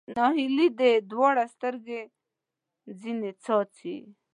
ناهیلي دې دواړو سترګو ځنې څاڅي